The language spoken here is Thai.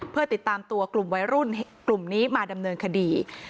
เพื่อติดตามตัวกลุ่มวัยรุ่นกลุ่มนี้มาดำเนินคดี